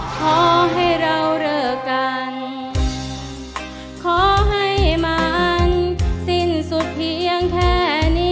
ขอให้เราเลิกกันขอให้มันสิ้นสุดเพียงแค่นี้